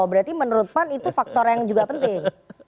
berarti menurut pan itu faktor yang juga penting